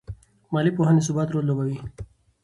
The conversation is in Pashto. مالي پوهان د ثبات رول لوبوي.